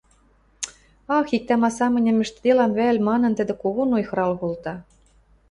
«Ах, иктӓ-ма самыньым ӹштӹделам вӓл? – манын, тӹдӹ когон ойхырал колта.